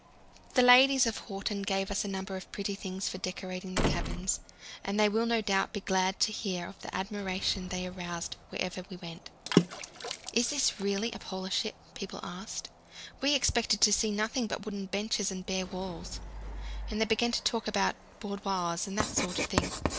The ladies of Horten gave us a number of pretty things for decorating the cabins, and they will no doubt be glad to hear of the admiration they aroused wherever we went. "Is this really a Polar ship?" people asked; "we expected to see nothing but wooden benches and bare walls." And they began to talk about "boudoirs" and things of that sort.